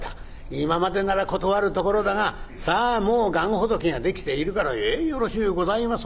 今までなら断るところだがさあもう願ほどきができているから『ええよろしゅうございます。